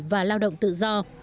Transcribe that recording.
và lao động tự do